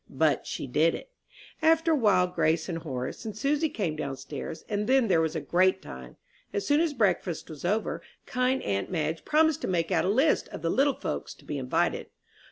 But she did it. After a while Grace, and Horace, and Susy came down stairs, and then there was a great time. As soon as breakfast was over, kind aunt Madge promised to make out a list of the little folks to be invited.